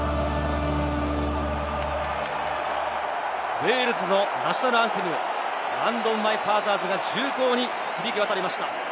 ウェールズのナショナルアンセム、『ランド・オブ・マイ・ファーザーズ』が重厚に響き渡りました。